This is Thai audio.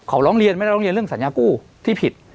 เขาร้องเรียนไม่ได้ร้องเรียนเรื่องสัญญากู้ที่ผิด